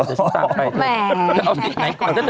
จะเอาไปไหนก่อน